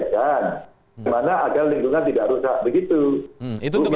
dan nanti kita lihat di luar bawah